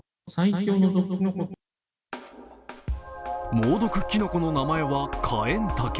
猛毒きのこの名前はカエンタケ。